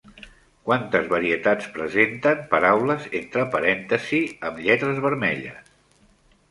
Quantes varietats presenten paraules entre parèntesis amb lletres vermelles?